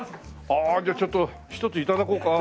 ああじゃあちょっと１つ頂こうか。